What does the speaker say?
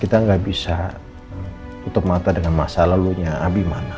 kita gak bisa tutup mata dengan masa lalunya abimane